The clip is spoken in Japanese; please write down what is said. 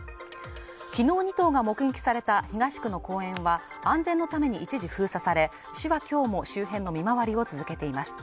きのう２頭が目撃された東区の公園は安全のために一時封鎖され市は今日も周辺の見回りを続けています